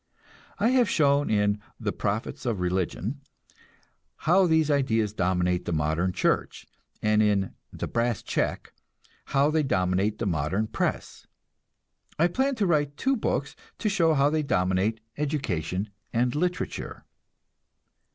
I have shown in "The Profits of Religion" how these ideas dominate the modern church, and in "The Brass Check" how they dominate the modern press. I plan to write two books, to show how they dominate education and literature.